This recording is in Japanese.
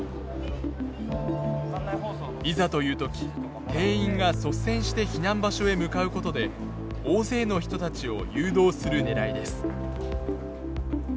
いざという時店員が率先して避難場所へ向かうことで大勢の人たちを誘導するねらいです。